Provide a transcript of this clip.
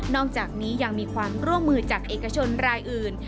อกจากนี้ยังมีความร่วมมือจากเอกชนรายอื่น